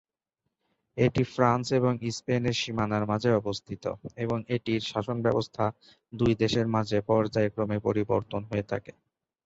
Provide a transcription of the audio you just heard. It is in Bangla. এটি ফ্রান্স এবং স্পেন এর সীমানার মাঝে অবস্থিত এবং এটির শাসনব্যবস্থা দুই দেশের মাঝে পর্যায়ক্রমে পরিবর্তন হয়ে থাকে।